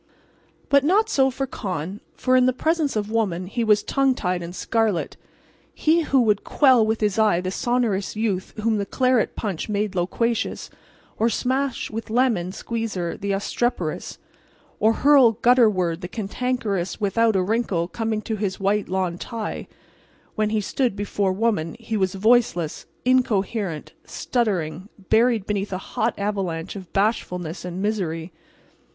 But not so Con. For in the presence of woman he was tongue tied and scarlet. He who would quell with his eye the sonorous youth whom the claret punch made loquacious, or smash with lemon squeezer the obstreperous, or hurl gutterward the cantankerous without a wrinkle coming to his white lawn tie, when he stood before woman he was voiceless, incoherent, stuttering, buried beneath a hot avalanche of bashfulness and misery.